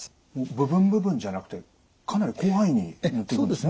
部分部分じゃなくてかなり広範囲に塗っていくんですね。